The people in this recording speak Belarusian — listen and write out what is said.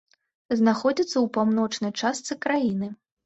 Знаходзіцца ў паўночнай частцы краіны.